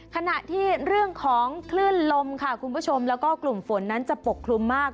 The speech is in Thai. ขณะที่เรื่องของคลื่นลมค่ะคุณผู้ชมแล้วก็กลุ่มฝนนั้นจะปกคลุมมาก